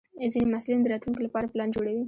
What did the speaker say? ځینې محصلین د راتلونکي لپاره پلان جوړوي.